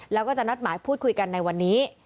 แล้วก็จะนัดหมายพูดคุยกันในวันนี้